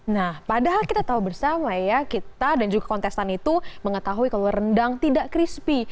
nah padahal kita tahu bersama ya kita dan juga kontestan itu mengetahui kalau rendang tidak crispy